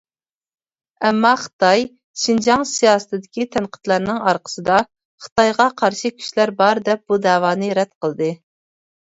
ئەمما خىتاي شىنجاڭ سىياسىتىدىكى تەنقىدلەرنىڭ ئارقىسىدا خىتايغا قارشى كۈچلەر بار دەپ، بۇ دەۋانى رەت قىلدى.